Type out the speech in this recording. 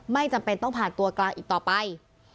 ไม่จำเป็นต้องผ่านตัวกลางอีกต่อไป